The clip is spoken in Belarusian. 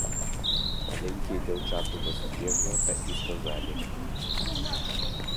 Маленькія дзяўчаты на судзе гэта і сказалі.